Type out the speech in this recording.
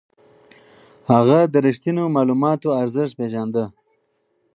هغه د رښتينو معلوماتو ارزښت پېژانده.